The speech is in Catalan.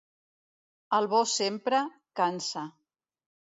El bo sempre, cansa.